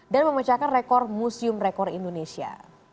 dan memecahkan rekor museum rekor indonesia